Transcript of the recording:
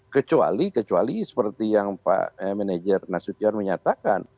kecuali kecuali seperti yang pak manajer nasution menyatakan